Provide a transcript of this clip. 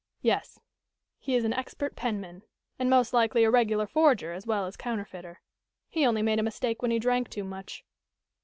"Yes. He is an expert penman, and most likely a regular forger as well as counterfeiter. He only made a mistake when he drank too much."